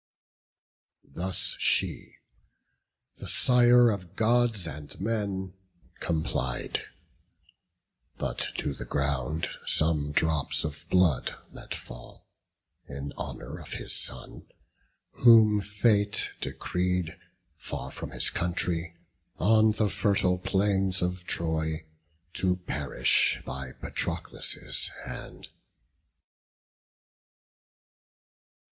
Thus she; the Sire of Gods and men complied: But to the ground some drops of blood let fall, In honour of his son, whom fate decreed, Far from his country, on the fertile plains Of Troy to perish by Patroclus' hand.